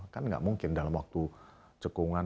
kan nggak mungkin dalam waktu cekungan